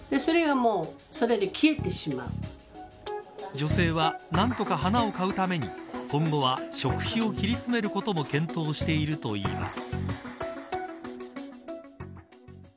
女性は何とか花を買うために今後は食費を切り詰めることも検討しているといいます。